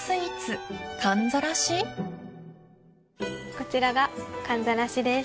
こちらがかんざらしです。